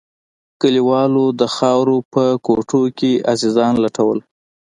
كليوالو د خاورو په کوټو کښې عزيزان لټول.